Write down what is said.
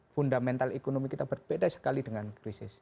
fundamental ekonomi kita berbeda sekali dengan krisis